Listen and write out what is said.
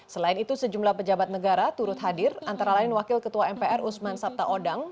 selain itu sejumlah pejabat negara turut hadir antara lain wakil ketua mpr usman sabta odang